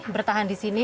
bertahan di sini